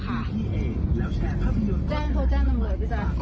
แจ้งเพิ่งแจ้งลงเลยป่ากบ้าน